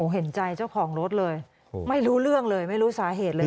เห็นใจเจ้าของรถเลยไม่รู้เรื่องเลยไม่รู้สาเหตุเลย